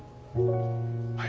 はい。